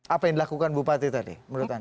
apa yang dilakukan bupati tadi